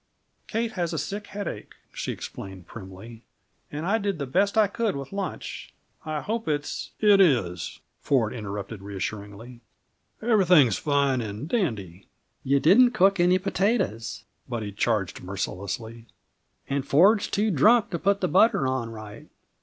"Kate has a sick headache," she explained primly, "and I did the best I could with lunch. I hope it's " "It is," Ford interrupted reassuringly. "Everything is fine and dandy." "You didn't cook any potatoes!" Buddy charged mercilessly. "And Ford's too drunk to put the butter on right.